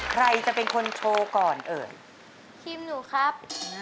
ใครจะเป็นคนโชว์ก่อนเอ่ยทีมหนูครับ